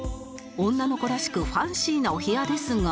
女の子らしくファンシーなお部屋ですが